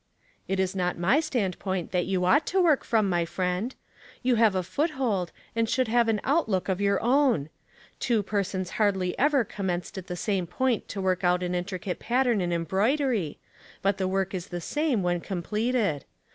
" It is not my standpoint that you oiight to work from, my friend. You have a foothold, and should have an outlook of your own. Two persons hardly ever commenced at the same point to work out an intricate pattern in em 2^8 Household Puzzles, broidery, but the work is the same when com pleted.